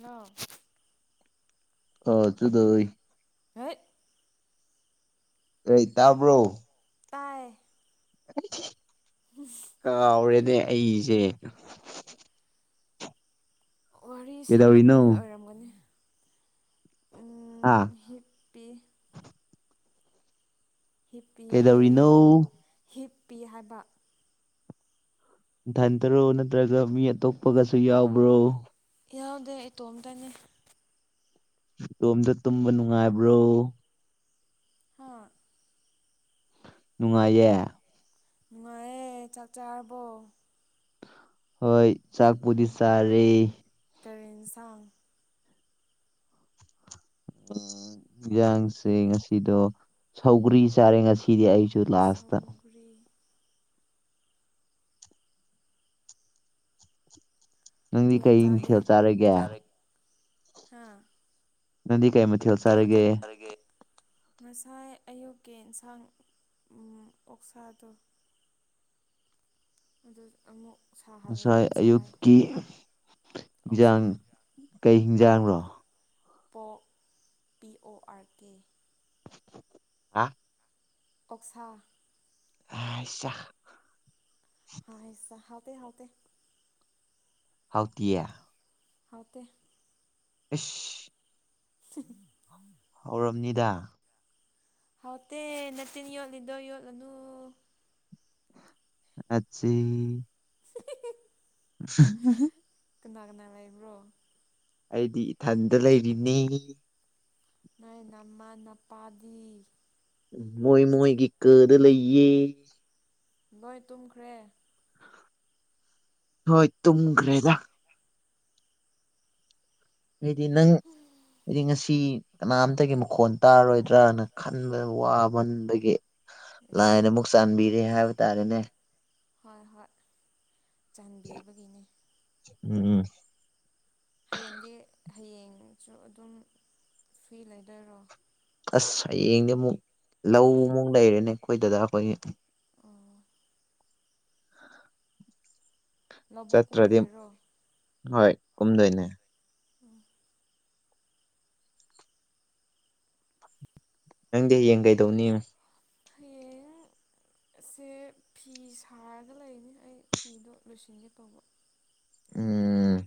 ꯅ ꯑ ꯑꯗꯨꯗꯏ ꯍꯦꯛ ꯑꯦ ꯇꯥꯕ꯭ꯔꯣ ꯇ ꯀꯥꯎꯔꯦꯅꯦ ꯑꯩꯁꯦ ꯋꯥꯔꯤ ꯀꯩꯗꯧꯔꯤꯅꯣ ꯁꯥꯃꯟꯕꯒꯤ ꯑꯣꯏꯔꯝꯒꯅꯤ ꯑꯥ ꯍꯤꯞꯄꯤ ꯍꯤꯞꯄꯤꯑ ꯀꯩꯗꯧꯔꯤꯅꯣ ꯍꯤꯞꯄꯤ ꯍꯥꯏꯕ ꯊꯥꯏꯟ ꯇꯔꯨꯛ ꯅꯠꯇ꯭ꯔꯒ ꯃꯤ ꯑꯇꯣꯞꯄꯒꯁꯨ ꯌꯥꯎꯕ꯭ꯔꯣ ꯌꯥꯎꯗꯦ ꯏꯇꯣꯝꯇꯅꯤ ꯏꯇꯣꯝꯇ ꯇꯨꯝꯕ ꯅꯨꯡꯉꯥꯏꯕ꯭ꯔꯣ ꯍꯥ ꯅꯨꯡꯉꯥꯏꯌꯦ ꯅꯨꯡꯉꯥꯏꯑꯌꯦ ꯆꯥꯛ ꯆꯥꯔꯕꯣ ꯍꯣꯏ ꯆꯥꯛꯄꯨꯗꯤ ꯆꯥꯔꯤ ꯇꯔꯦꯟ ꯁꯥꯡ ꯑꯣ ꯌꯦꯟꯖꯥꯡꯁꯦ ꯉꯁꯤꯗꯣ ꯁꯧꯒ꯭ꯔꯤ ꯆꯥꯔꯦ ꯉꯁꯤꯗꯤ ꯑꯩ ꯁꯝꯒ꯭ꯔꯤ ꯅꯪꯗꯤ ꯀꯌꯥꯝ ꯀꯩ ꯏꯊꯦꯜꯜ ꯆꯥꯔꯒꯦ ꯍꯥꯥ ꯅꯪꯗꯤ ꯀꯩ ꯃꯊꯦꯜ ꯆꯥꯔꯒꯦ ꯉꯁꯥꯏ ꯑꯌꯨꯛꯀꯤ ꯑꯦꯟꯁꯥꯡ ꯑꯣꯛꯁꯥ ꯗꯣ ꯑꯗꯨ ꯑꯃꯨꯛ ꯁꯥꯍꯜꯂꯒ ꯉꯁꯥꯏ ꯆꯥꯏ ꯑꯌꯨꯛꯀꯤ ꯑꯣꯛꯁꯥ ꯍꯤꯟꯖꯥꯡ ꯀꯩ ꯍꯦꯟꯖꯥꯡ ꯄꯣꯔꯀ ꯄꯤ ꯑꯣ ꯑꯥꯔ ꯀꯦ ꯍꯥ ꯑꯣꯛꯁꯥ ꯑꯁ ꯍꯁ ꯍꯥꯎꯇꯦ ꯍꯥꯎꯇꯦ ꯍꯥꯎꯇꯤꯌꯦ ꯒꯥꯎꯇꯦ ꯏꯁꯁ ꯖ ꯍꯧꯔꯝꯅꯤꯗ ꯍꯥꯎꯇꯦ ꯅꯥꯇꯤꯟ ꯌꯣꯠꯂꯤꯗꯣ ꯌꯣꯠꯂꯨꯅꯨ ꯑꯆ ꯍꯤ ꯖꯤ ꯀꯅꯥ ꯀꯅ ꯂꯩꯕ꯭ꯔꯣ ꯑꯩꯗꯤ ꯏꯊꯟꯗ ꯂꯩꯔꯤꯅꯤ ꯅꯪ ꯅꯃꯥ ꯅꯄꯥꯗꯤ ꯃꯣꯏ ꯃꯣꯏꯒꯤ ꯀꯗ ꯂꯩꯌꯦ ꯃꯣꯏ꯫ ꯇꯨꯝꯈ꯭ꯔꯦ ꯍꯣꯏ ꯇꯨꯝꯈ꯭ꯔꯦꯗ ꯑꯩꯗꯤ ꯅꯪ ꯑꯩꯗꯤ ꯉꯁꯤ ꯀꯅꯥꯝꯇꯒꯤ ꯃꯈꯣꯟ ꯇꯥꯔꯔꯣꯏꯗ꯭ꯔꯅ ꯈꯟꯕ ꯋꯥꯃꯟꯕꯥꯒꯤ ꯂꯥꯏꯅ ꯏꯁ ꯑꯃꯨꯛ ꯆꯥꯟꯕꯤꯔꯦ ꯍꯥꯏꯕ ꯇꯥꯔꯦꯅꯦ ꯍꯣꯏ ꯍꯣꯏ ꯆꯥꯟꯕꯤꯕꯒꯤꯅꯦ ꯎꯝꯝ ꯍꯌꯦꯡꯗꯤ ꯍꯌꯦꯡꯁꯨ ꯑꯗꯨꯝ ꯐ꯭ꯔꯤ ꯂꯩꯗꯣꯏꯔꯣ ꯑꯁ ꯍꯌꯦꯡꯗꯤ ꯑꯃꯨꯛ ꯂꯧ ꯑꯃꯨꯛ ꯂꯩꯔꯦꯅꯦ ꯑꯩꯈꯣꯏ ꯊꯥꯗꯥ ꯈꯣꯏꯒꯤ ꯑꯣ ꯂꯧꯕꯨꯛ ꯆꯠꯇ꯭ꯔꯗꯤ ꯀꯨꯝꯗꯣꯏꯔꯣ ꯍꯣꯏ ꯀꯨꯝꯗꯣꯏꯅꯦ ꯎꯝ ꯅꯪꯗꯤ ꯍꯥꯌꯦꯡ ꯀꯩꯗꯧꯅꯤ ꯍꯌꯦꯡ ꯁꯦ ꯐꯤ ꯁꯥꯔꯒ ꯂꯩꯅꯤ ꯑꯩ ꯐꯤꯗꯣ ꯂꯣꯏꯁꯤꯟꯒꯦ ꯇꯧꯕ ꯎꯝ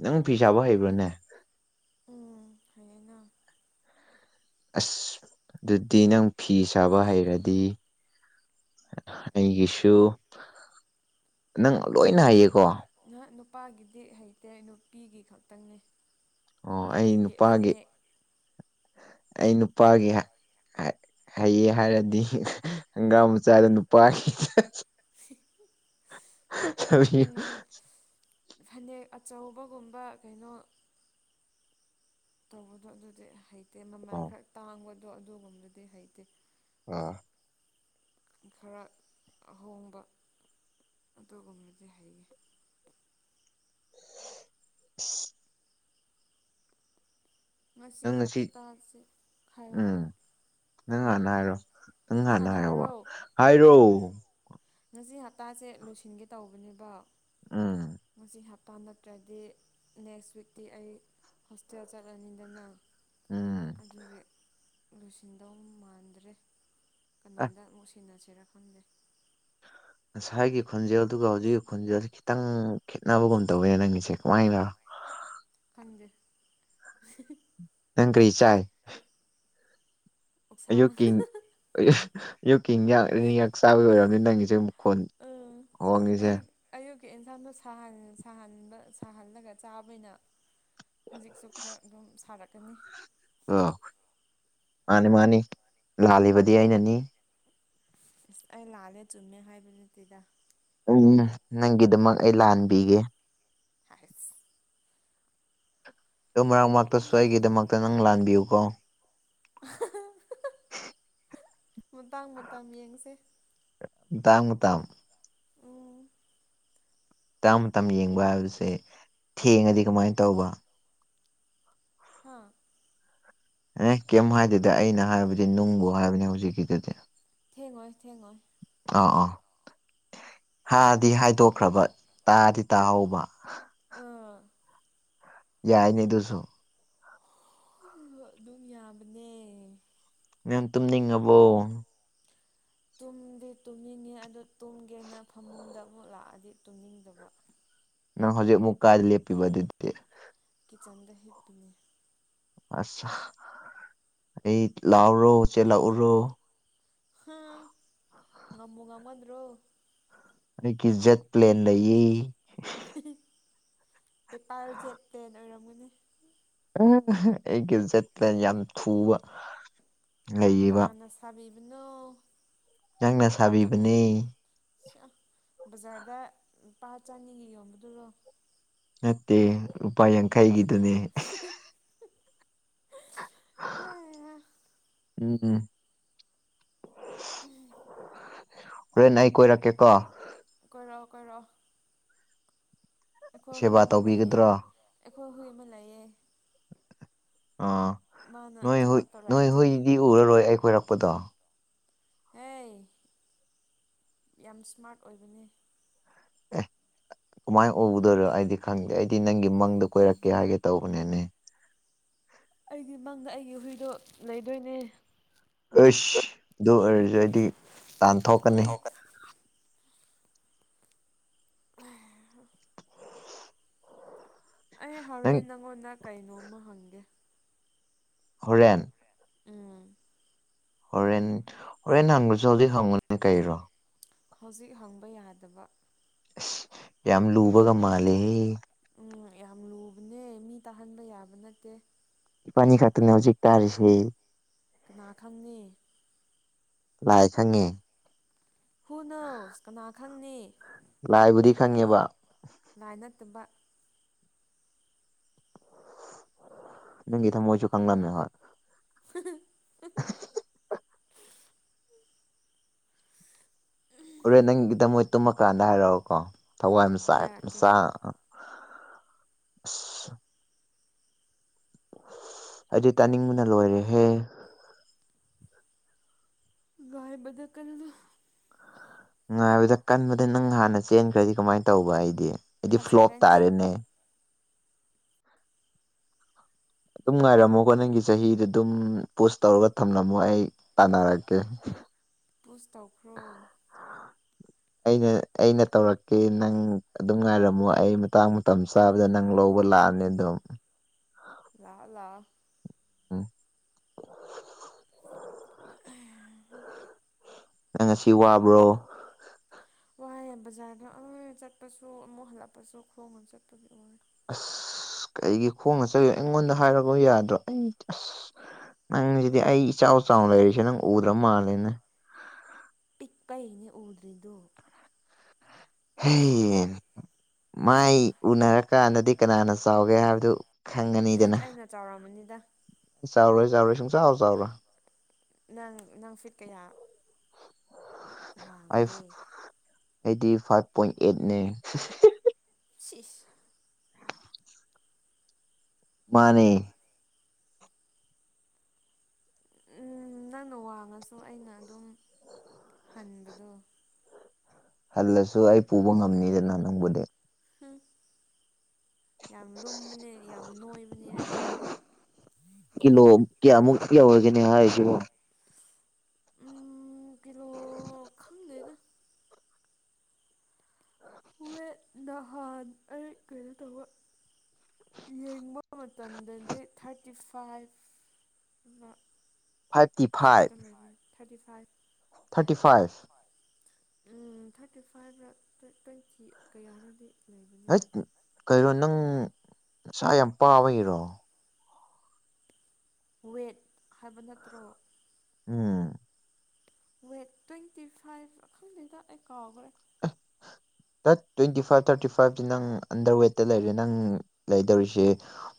ꯅꯪ ꯐꯤ ꯁꯥꯕ ꯍꯩꯕ꯭ꯔꯥꯅꯦ ꯎꯝ ꯍꯩꯌꯦꯅ ꯑꯁ ꯑꯗꯨꯗꯤ ꯅꯪ ꯐꯤ ꯁꯥꯕ ꯍꯩꯔꯗꯤ ꯑꯩꯒꯤꯁꯨ ꯅꯪ ꯂꯣꯏꯅ ꯍꯩꯌꯦꯀꯣ ꯅꯍꯥꯛ ꯅꯨꯄꯥꯒꯤꯗꯤ ꯍꯩꯇꯦ ꯅꯨꯄꯤꯒꯤ ꯈꯛꯇꯪꯅꯦ ꯑꯣ ꯑꯩ ꯅꯨꯄꯤꯒꯤ ꯅꯨꯄꯥꯒꯤ ꯐꯅꯦꯛ ꯑꯩ ꯅꯨꯄꯥꯒꯤ ꯍꯩꯌꯦ ꯍꯥꯏꯔꯗꯤ ꯈꯣꯡꯒꯥꯎ ꯃꯆꯥꯗꯣ ꯅꯨꯄꯥꯒꯤ [unintelligible] ꯆ ꯐꯅꯦꯛ ꯑꯆꯧꯕꯒꯨꯝꯕ ꯀꯩꯅꯣ ꯇꯧꯕꯗꯣ ꯑꯗꯨꯗꯤ ꯍꯩꯇꯦ ꯃꯃꯜ ꯑꯣ ꯈꯔ ꯇꯥꯡꯕꯗꯣ ꯑꯗꯨꯒꯨꯝꯕꯗꯨꯗꯤ ꯍꯩꯇꯦ ꯑꯥ ꯈꯔ ꯑꯍꯣꯡꯕ ꯑꯗ ꯀꯨꯝꯔꯗꯤ ꯍꯥꯏꯩꯦ [inaudible] ꯉꯁꯤ ꯍꯞꯇꯥꯁꯤꯦ ꯈꯥꯏꯌꯣ ꯎꯝ ꯍꯥꯏꯌꯣ ꯅꯪ ꯍꯥꯟꯅ ꯍꯥꯏꯔꯣ ꯅꯪ ꯍꯥꯟꯅ ꯍꯥꯏꯔꯕ ꯍꯥꯏꯔꯣ ꯉꯁꯤ ꯍꯞꯇꯥꯁꯦ ꯂꯣꯏꯁꯤꯟꯒꯦ ꯇꯧꯕꯅꯦꯕ ꯎꯝ ꯄꯥꯟꯝ ꯅꯠꯇ꯭ꯔꯗꯤ ꯅꯦꯛꯁ ꯋꯤꯛꯇꯛꯇꯤ ꯑꯩ ꯍꯣꯁꯇꯦꯜ ꯆꯠꯂꯅꯤꯗꯅ ꯎꯝ ꯑꯗꯨꯒꯤ ꯂꯣꯏꯁꯤꯟꯗꯧ ꯃꯥꯟꯗ꯭ꯔꯦ ꯑ ꯀꯅꯥꯗ ꯑꯃꯨꯛ ꯁꯤꯟꯅꯁꯤ ꯎ ꯎꯆꯇꯦꯔꯥꯈꯟꯗ ꯉꯁꯥꯏꯒꯤ ꯈꯣꯟꯖꯦꯜꯗꯨ ꯍꯧꯖꯤꯛꯀꯤ ꯈꯣꯟꯖꯦꯜꯁ ꯈꯤꯇꯪ ꯈꯦꯠꯅꯕꯒꯨꯝ ꯇꯧꯋꯦ ꯅꯪꯒꯤꯁꯦ ꯀꯃꯥꯏꯅ [unintelligible] ꯍꯪꯖꯦ ꯅꯪ ꯀ꯭ꯔꯤꯆꯥꯏ ꯑꯣꯛꯁꯥ ꯌꯌꯣꯛꯀꯤꯡ ꯌꯣꯛꯀꯤꯡꯌꯥꯥꯛ ꯆꯥꯕ ꯑꯣꯏꯔꯔꯕꯅꯤ ꯅꯪꯒꯤꯁꯦ ꯑꯃꯨꯛ ꯈꯨꯣꯟ ꯍꯣꯡꯉꯤꯁꯦ ꯀꯦꯛ ꯌꯦꯟꯁꯥꯡꯗꯣ ꯁꯥꯍꯟꯕ ꯁꯥꯍꯜꯂꯒ ꯆꯥꯕꯅ ꯍꯧꯖꯤꯛꯁꯨ ꯈꯔ ꯑꯗꯨꯝ ꯁꯥꯔꯛꯀꯅꯤ ꯑ ꯃꯥꯅꯤ ꯃꯥꯅꯤ ꯂꯥꯜꯂꯤꯕꯗꯤ ꯑꯩꯅꯅꯤ ꯑꯁ ꯑꯩ ꯂꯥꯜꯂꯦ ꯆꯨꯝꯃꯦ ꯍꯥꯏꯕ ꯅꯠꯇꯦꯗ ꯎꯝ ꯅꯪꯒꯤꯗꯃꯛ ꯑꯩ ꯂꯥꯟꯕꯤꯒꯦ ꯍꯥꯏꯍꯦꯠ ꯑꯗ ꯃꯔꯛ ꯃꯔꯛꯇꯁꯨ ꯑꯩꯒꯤꯗꯃꯛꯇ ꯅꯪ ꯂꯥꯟꯕꯤꯌꯨꯀꯣ [unintelligible] ꯃꯇꯥꯡ ꯃꯇꯝ ꯌꯦꯡꯁꯦ ꯃꯇꯥꯡ ꯃꯇꯝ ꯎꯝ ꯇꯝ ꯇꯝ ꯌꯦꯡꯕ ꯍꯥꯏꯕꯁꯦ ꯊꯦꯡꯉꯗꯤ ꯀꯃꯥꯏꯅ ꯇꯧꯕ ꯍꯥ ꯑꯦ ꯀꯩꯝ ꯍꯥꯏꯗꯨꯗꯤ ꯑꯩꯅ ꯍꯥꯏꯕꯗꯤ ꯅꯨꯡꯕꯨ ꯍꯥꯏꯕꯅꯦ ꯍꯧꯖꯤꯛꯀꯤꯗꯨꯗꯤ ꯊꯦꯡ ꯑꯣꯏꯣꯏ ꯊꯦꯡ ꯍꯣꯏ ꯍꯥꯥꯟꯗꯤ ꯍꯥꯏꯗꯣꯛꯈ꯭ꯔꯕ ꯇꯥꯗꯤ ꯇꯥꯍꯧꯕ ꯑꯥ ꯌꯥꯏ ꯅꯗꯨꯨꯁꯨ ꯑꯗꯨꯝ ꯌꯥꯕꯅꯦ ꯃꯌꯥꯝ ꯇꯨꯝꯅꯤꯡꯉꯕꯣ ꯇꯨꯝꯗꯤ ꯇꯨꯝꯅꯤꯡꯉꯤ ꯑꯗꯨ ꯇꯨꯝꯒꯦꯅ ꯐꯃꯨꯡꯗ ꯑꯃꯨꯛ ꯂꯥꯛꯑꯗꯤ ꯇꯨꯝꯅꯤꯡꯗꯕ ꯅꯪ ꯍꯧꯖꯤꯛ ꯃꯨꯛꯀꯥꯗ ꯂꯦꯞꯄꯤꯕ ꯑꯗꯨꯗꯤ ꯀꯤꯠꯆꯟꯗ ꯍꯦꯞꯄꯤꯅꯦ ꯑꯠ ꯑꯩ ꯂꯥꯎꯔꯣ ꯆꯦ ꯂꯥꯛꯎꯔꯣ ꯍꯥ ꯉꯝꯃꯨ ꯉꯝꯃꯗ꯭ꯔꯣ ꯑꯩ ꯏꯖꯖꯠ ꯄ꯭ꯂꯦꯟ ꯂꯩꯌꯦ ꯄꯦꯄꯥꯔ ꯖꯦ ꯇꯦꯟ ꯑꯣꯏꯔꯝꯒꯨꯅꯦ ꯑꯩꯒꯤ ꯖꯠꯇ ꯌꯥꯝ ꯊꯨꯕ ꯂꯩꯌꯦꯕ ꯀꯅꯥꯅ ꯁꯥꯕꯤꯕꯅꯣ ꯅꯪꯅ ꯁꯥꯕꯤꯕꯅꯦ ꯕꯖꯥꯔꯗ ꯂꯨꯄꯥ ꯆꯅꯤꯒ ꯌꯣꯟꯕꯗꯨꯔꯣ ꯅꯠꯇꯦ ꯂꯨꯄꯥ ꯌꯥꯡꯈꯩꯒꯤꯗꯨꯅꯦ ꯎꯝ ꯍꯣꯔꯦꯟ ꯅ ꯑꯩ ꯀꯣꯏꯔꯛꯀꯦꯀꯣ ꯀꯣꯏꯔꯛꯑꯣ ꯀꯣꯏꯔꯑꯣ ꯁꯦꯕꯥ ꯂꯩꯌꯦ ꯇꯧꯕꯤꯒꯗ꯭ꯔꯣ ꯑꯩꯈꯣꯏ ꯍꯨꯏ ꯑꯃ ꯂꯩꯌꯦ ꯑꯥ ꯃꯥꯅ ꯊꯕꯛ ꯇꯧꯔꯛꯑꯗꯤ ꯑꯣꯏꯔꯛꯄꯗꯣ ꯍ ꯌꯥꯝ ꯏꯁꯃꯥꯔꯠ ꯑꯣꯏꯕꯅꯦ ꯑꯦ ꯀꯃꯥꯏ ꯎ ꯎꯗꯔ ꯑꯩꯗꯤ ꯈꯪꯒ ꯗꯤ ꯅꯪꯒꯤ ꯃꯪꯗ ꯀꯣꯏꯔꯛꯀꯦ ꯍꯥꯏꯒꯦ ꯇꯧꯕꯅꯦꯅꯦ ꯑꯩꯗꯤ ꯃꯪꯗ ꯑꯩꯒꯤ ꯍꯨꯏꯗꯣ ꯂꯩꯗꯣꯏꯅꯦ ꯑꯁ ꯑꯗꯨ ꯑꯣꯏꯔꯁꯨ ꯑꯩꯗꯤ ꯇꯥꯟꯊꯣꯛꯀꯅꯤ ꯑꯩ ꯅꯪ ꯍꯣꯔꯦꯟ ꯅꯪꯉꯣꯟꯗ ꯀꯩꯅꯣꯝꯃ ꯍꯪꯒꯦ ꯍꯣꯔꯦꯟ ꯎꯝ ꯍꯣꯔꯦꯟ ꯍꯣꯔꯦꯟ ꯍꯪꯕꯁꯨ ꯍꯧꯖꯤꯛ ꯍꯪꯉꯨꯅꯦ ꯀꯩꯔꯣ ꯍꯧꯖꯤꯛ ꯍꯪꯕ ꯌꯥꯗꯕ ꯑꯁ ꯌꯥꯝ ꯂꯨꯕꯒ ꯃꯥꯜꯂꯦꯍꯦ ꯎꯝ ꯌꯥꯝ ꯂꯨꯕꯅꯦ ꯃꯤ ꯇꯥꯍꯟꯕ ꯌꯥꯕ ꯅꯠꯇꯦ ꯄꯅꯤ ꯈꯇꯅ ꯍꯧ ꯎꯆꯖꯤꯛ ꯇꯥꯔꯁ ꯀꯅꯥ ꯈꯪꯅꯤ ꯂꯥꯏ ꯁꯪꯉꯤ ꯍꯨ ꯅꯧꯁ ꯀꯅꯥ ꯈꯪꯅꯤ ꯂꯥꯏꯕꯨꯗꯤ ꯈꯪꯉꯦꯕ ꯂꯥꯏ ꯅꯠꯇꯕ ꯅꯪꯒꯤ ꯊ ꯃꯑꯣꯁꯨꯨ ꯀꯪꯅꯥꯥ ꯅ ꯍꯥꯏ [inaudible] ꯍꯣꯔꯦꯟ ꯅꯪꯒꯤꯗ ꯃꯣꯏ ꯇꯨꯝꯃꯀꯥꯟꯗ ꯍꯥꯏꯔꯛꯑꯣꯀꯣ ꯊꯋꯥꯏ ꯃꯆꯥ ꯍꯥꯏꯔꯛꯀꯦ ꯃꯆꯥ [inaudible] ꯑꯩꯗꯤ ꯇꯥꯅꯤꯡꯕꯅ ꯂꯣꯏꯔꯦꯍꯦ ꯔꯦ ꯗꯜꯀꯅ ꯉꯥꯏꯕꯗ ꯀꯟꯕꯗ ꯅꯪ ꯍꯥꯟꯅ ꯆꯦꯟꯈ꯭ꯔꯗꯤ ꯀꯃꯥꯏꯅ ꯇꯧꯕ ꯑꯩꯗꯤ ꯑꯩꯗꯤ ꯐ꯭ꯂꯣꯞ ꯐꯖꯔꯅꯤ ꯇꯥꯔꯦꯅꯦ ꯑꯗꯨꯝ ꯉꯥꯏꯔꯝꯃꯣꯀꯣ ꯅꯪꯒꯤ ꯆꯍꯤꯗ ꯑꯗꯨꯝ ꯄꯣꯁ ꯇꯧꯔꯒ ꯊꯝꯂꯝꯃꯣ ꯑꯩ ꯇꯥꯟꯅꯔꯛꯀꯦ ꯄꯨꯁ ꯇꯧꯈ꯭ꯔꯣ ꯑꯩꯅ ꯑꯩꯅ ꯇꯧꯔꯛꯀꯦ ꯅꯪ ꯑꯗꯨꯝ ꯉꯥꯏꯔꯝꯃꯣ ꯑꯩ ꯃꯇꯥꯡ ꯃꯇꯝ ꯆꯥꯕꯗ ꯅꯪ ꯂꯧ ꯂꯥꯛꯑꯅꯤ ꯗꯨꯝ ꯂꯥꯛꯑꯣ ꯂꯥꯛꯑꯣ ꯎꯝ ꯅꯪ ꯉꯁꯤ ꯋꯥꯕ꯭ꯔꯣ ꯋꯥꯏꯌꯦ ꯕꯖꯥꯔꯗ ꯑꯥꯏ ꯆꯠꯄꯁꯨ ꯑꯃꯨꯛ ꯍꯜꯂꯛꯄꯁꯨ ꯈꯣꯡꯅ ꯆꯠꯄꯒꯤ ꯋꯥꯏ ꯑꯁ ꯀꯩꯒꯤ ꯈꯣꯡꯅ ꯆꯠꯂꯤ ꯑꯩꯉꯣꯟꯗ ꯍꯥꯏꯔꯛꯎ ꯌꯥꯗ꯭ꯔꯣ ꯑꯩ ꯑꯁ ꯅꯪꯖꯤꯗꯤ ꯑꯩ ꯏꯆꯥꯎ ꯆꯥꯎꯅ ꯂꯩꯔꯤꯁꯦ ꯅꯪ ꯎꯗ꯭ꯔ ꯃꯥꯜꯂꯦꯅꯦ ꯄꯤꯛꯄꯩꯅꯦ ꯎꯗ꯭ꯔꯤꯗꯨ ꯍꯩꯏꯟ ꯃꯥꯏ ꯎꯅꯔꯀꯥꯟꯗꯗꯤ ꯀꯅꯥꯅ ꯆꯥꯎꯒꯦ ꯍꯥꯏꯕꯗꯨ ꯈꯪꯉꯅꯤꯗꯅ ꯍꯩꯆ ꯑꯩꯅ ꯆꯥꯎꯔꯃꯅꯤꯗ ꯆꯥꯎꯔꯣꯏ ꯆꯥꯎꯔꯣꯏ ꯁꯨꯡꯆꯥꯎ ꯆꯥꯎꯔꯣꯏ ꯅꯪ ꯅꯪ ꯐꯤꯠ ꯀꯌꯥ ꯑꯩ ꯋꯥꯡꯒꯦ ꯑꯩꯗꯤ ꯐꯥꯏꯚ ꯄꯣꯏꯟ ꯑꯩꯠꯅꯦ ꯍꯤ ꯍꯤ ꯍꯤꯍꯤ ꯁꯤꯁ ꯃꯥꯅꯦ ꯎꯝ ꯅꯪꯅ ꯋꯥꯡꯉꯁꯨ ꯑꯩꯅ ꯑꯗꯨꯝ ꯍꯟꯕꯗꯣ ꯍꯜꯂꯁꯨ ꯑꯩ ꯄꯨꯕ ꯉꯝꯅꯤꯗꯅ ꯅꯪꯕꯨꯗꯤ ꯎꯝ ꯌꯥꯝ ꯂꯨꯝꯕꯅꯦ ꯌꯥꯝ ꯅꯣꯏꯕꯅꯦ ꯑꯩ ꯄꯔꯤꯌꯥ ꯑꯣꯏꯒꯦꯅꯦ ꯍꯥꯏꯁꯤꯕꯨ ꯎꯝ ꯀꯤꯂꯣ ꯈꯪꯗꯦꯗ ꯋꯦꯠ ꯅꯍꯥꯟ ꯑꯩ ꯀꯩꯅꯣ ꯇꯧꯕ ꯌꯦꯡꯕ ꯃꯇꯝꯗꯗꯤ ꯊꯥꯔꯇꯤ ꯐꯥꯏꯚ ꯒ fifty five thirty five thirty five ꯎꯝ ꯊꯥꯔꯇꯤ ꯐꯥꯏꯚ ꯔ ꯇꯋꯦꯟ ꯇ꯭ꯋꯦꯟꯇꯤ ꯀꯌꯥꯔꯗꯤ ꯎꯝ ꯀꯩꯅꯣ ꯅꯪ ꯅꯁꯥ ꯌꯥꯝ ꯄꯥꯕꯒꯤꯔꯣ ꯋꯦꯠ ꯍꯥꯏꯕ ꯅꯠꯇ꯭ꯔꯣ ꯎꯝ ꯋꯦꯠ ꯇ꯭ꯋꯦꯟꯇꯤ ꯐꯥꯏꯚ ꯈꯪꯗꯦꯗ ꯑꯩ ꯀꯥꯎꯒꯔꯦ ꯇꯠ ꯇ꯭ꯋꯦꯟꯇꯤ ꯐꯥꯏꯚ ꯊꯥꯔꯇꯤ ꯐꯥꯏꯚꯇꯤ ꯅꯪ ꯑꯟꯗꯔ ꯋꯦꯠꯇ ꯂꯩꯔꯦ ꯅꯪ ꯂꯩꯗꯧꯔꯤꯁꯤ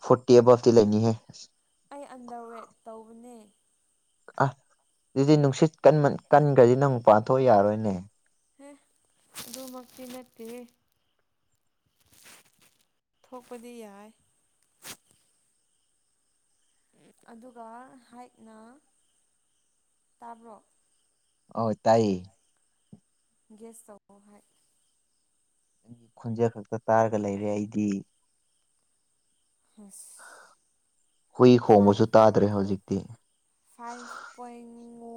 ꯐꯣꯔ ꯔꯇꯤ ꯑꯕꯞꯇꯤ ꯂꯩꯅꯤ ꯍꯦ ꯑꯩ ꯑꯟꯗꯔꯋꯦꯠ ꯇꯧꯕꯅꯦ ꯑꯥ ꯗꯨꯗꯤ ꯅꯨꯡꯁꯤꯠ ꯀꯟꯃꯟ ꯀꯟꯈ꯭ꯔꯗꯤ ꯅꯪ ꯄꯥꯟ ꯊꯣꯛꯑ ꯌꯥꯔꯣꯏꯅꯦ ꯍꯦ ꯑꯗꯨꯃꯛꯇꯤ ꯅꯠꯇꯦꯍꯦ ꯊꯣꯛꯄꯗꯤ ꯌꯥꯏ ꯑꯗꯨꯒ ꯍꯥꯏꯠꯅ ꯇꯥꯕ꯭ꯔꯣ ꯑꯣ ꯇꯥꯏꯌꯦ ꯒꯦꯁ ꯇꯧꯔꯣ ꯍꯥꯏꯠ ꯅꯪꯒꯤ ꯈꯣꯟꯖꯦꯜ ꯈꯛꯇ ꯇꯥꯔꯒ ꯂꯩꯔꯦ ꯑꯩꯗꯤ ꯑꯁ ꯍꯨꯏ ꯈꯣꯡꯕꯁꯨ ꯐꯥꯏꯚ ꯇꯥꯗ꯭ꯔꯦ ꯍꯧꯖꯤꯛꯇꯤ ꯐꯥꯏꯚ ꯄꯣꯏꯟ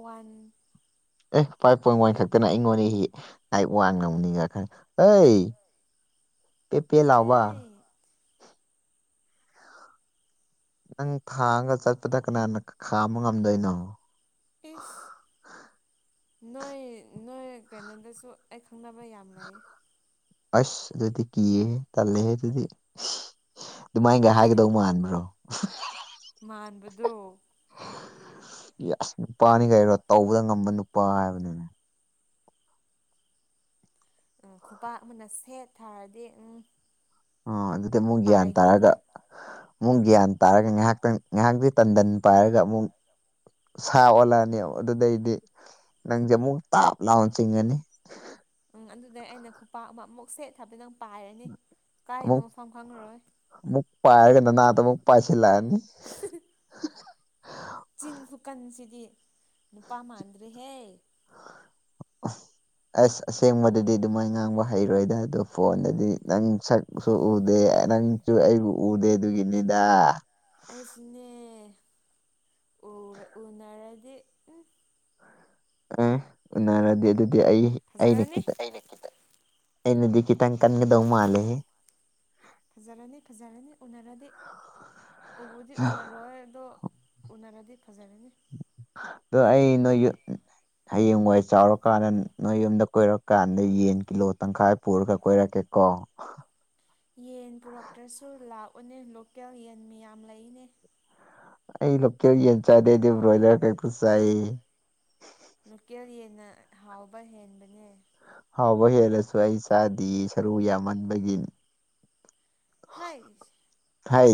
ꯋꯥꯟ [unintelligible] ꯍ ꯄꯦ ꯄꯦ ꯂꯥꯎꯕ ꯅꯪ ꯊꯥꯡꯉꯒ ꯆꯠꯄꯗ ꯀꯅꯥꯅ ꯈꯥꯝꯕ ꯉꯝꯗꯣꯏꯅꯣ ꯏꯁ ꯅꯣꯏ ꯅꯣꯏ ꯀꯩꯅꯣꯗꯁꯨ ꯑꯩ ꯈꯪꯅꯕ ꯌꯥꯝ ꯂꯩ ꯑꯁ ꯑꯗꯨꯗꯤ ꯀꯤꯍꯦ ꯇꯝꯂꯦꯍꯦ ꯑꯗꯨꯗꯤ ꯑꯗꯨꯃꯥꯏꯅꯒ ꯍꯥꯏꯒꯗꯧꯕ ꯃꯥꯟꯕ꯭ꯔꯣ ꯃꯥꯟꯕꯗꯣ ꯌꯥꯁ ꯅꯨꯄꯥꯅꯤ ꯀꯩꯅꯣ ꯇꯧꯕꯗ ꯉꯝꯕ ꯅꯨꯄꯥ ꯍꯥꯏꯕꯅꯤꯅꯦ꯫ ꯈꯨꯕꯥꯛ ꯑꯃꯅ ꯁꯦꯠ ꯊꯥꯔꯗꯤ ꯎꯝ꯫ ꯑ ꯑꯗꯨꯗꯤ ꯑꯃꯨꯛ ꯒ꯭ꯌꯥꯟ ꯄꯥꯏꯈꯤꯅꯤ ꯇꯥꯔꯒ ꯃꯨꯛ ꯒ꯭ꯌꯥꯟ ꯇꯥꯔꯒ ꯉꯥꯏꯍꯥꯛꯇꯪ ꯉꯥꯏꯍꯥꯛꯇꯤ ꯇꯟꯗꯟ ꯄꯥꯏꯔꯒ ꯑꯃꯨꯛ ꯁꯥ ꯑꯣꯜꯂꯛꯑꯅꯤ ꯑꯗꯨꯗꯩꯗꯤ ꯅꯪꯁꯦ ꯑꯃꯨꯛ ꯇꯥꯞ ꯂꯥꯎꯅ ꯆꯤꯡꯉꯅꯤ ꯎꯝ ꯑꯗꯨꯗꯩ ꯑꯩꯅ ꯈꯨꯄꯥꯛ ꯑꯃ ꯑꯃꯨꯛ ꯁꯦꯠ ꯊꯥꯕꯗ ꯅꯪ ꯄꯥꯏꯔꯅꯤ ꯀꯥꯏꯅꯣ ꯃꯐꯝ ꯈꯪꯉꯔꯣꯏ ꯃꯨꯛ ꯄꯥꯏꫪꯒ ꯅꯅꯥꯛꯇ ꯃꯨꯛ ꯄꯥꯏꯁꯤꯜꯂꯛꯑꯅꯤ ꯆꯤꯟ ꯈꯨꯀꯟꯁꯤꯗꯤ ꯅꯨꯄꯥ ꯃꯥꯟꯗꯦ ꯍꯦ [inaudible] ꯑꯁ ꯑꯁꯦꯡꯕꯗꯗꯤ ꯑꯗꯨꯃꯥꯏ ꯉꯥꯡꯕ ꯍꯩꯔꯣꯏꯗ ꯑꯗꯣ ꯐꯣꯟꯗꯗꯤ ꯅꯪ ꯁꯛꯁꯨ ꯎꯗꯦ ꯑꯦ ꯅꯪꯁꯨ ꯑꯩꯕꯨ ꯎꯗꯦ ꯑꯗꯨꯒꯤꯅꯤꯗ ꯑꯩꯁꯨꯅꯦ ꯎꯅꯔꯗꯤ ꯎ ꯑꯦ ꯎꯅꯔꯗꯤ ꯑꯗꯨꯗꯤ ꯑꯩ ꯑꯩꯅ ꯐꯖꯔꯅꯤ ꯈꯤꯇꯪ ꯑꯩꯅ ꯈꯤꯇꯪ ꯑꯩꯅꯗꯤ ꯈꯤꯇꯪ ꯅꯪ ꯀꯟꯒꯗꯧ ꯃꯥꯟꯂꯍꯦ꯫ ꯐꯖꯔꯅꯤ ꯐꯖꯔꯅꯤ ꯎꯅꯔꯗꯤ ꯎꯕꯨꯗꯤ ꯎꯅꯔꯣꯏ ꯑꯗꯣ ꯎꯅꯔꯗꯤ ꯐꯖꯔꯅꯤ ꯑꯗꯣ ꯑꯩ ꯍꯌꯦꯡꯋꯥꯏ ꯆꯥꯎꯔꯀꯥꯟꯗ ꯅꯣꯏ ꯌꯨꯝꯗ ꯀꯣꯏꯔꯛꯀꯥꯟꯗ ꯌꯦꯟ ꯀꯤꯂꯣ ꯇꯪꯈꯥꯏ ꯄꯨꯔꯒ ꯀꯣꯏꯔꯛꯀꯦ ꯀꯣ ꯌꯦꯟ ꯄꯨꯔꯛꯇ꯭ꯔꯁꯨ ꯂꯥꯛꯎꯅꯦ ꯂꯣꯀꯦꯜ ꯌꯦꯟ ꯃꯌꯥꯝ ꯂꯩꯅꯦ ꯑꯩ ꯂꯣꯀꯦꯜ ꯌꯦꯟ ꯆꯥꯗꯦ ꯑꯩꯗꯤ ꯕ꯭ꯔꯣꯏꯂꯔ ꯈꯛꯇ ꯆꯥꯏ ꯂꯣꯀꯦꯜ ꯌꯦꯟꯅ ꯍꯥꯎꯕ ꯍꯦꯟꯕꯅꯦ ꯍꯥꯎꯕ ꯍꯦꯜꯂꯁꯨ ꯑꯩ ꯆꯥꯗꯤꯌꯦ ꯁꯔꯨ ꯌꯥꯝꯃꯟꯕꯒꯤ ꯍꯩ ꯍꯥꯏ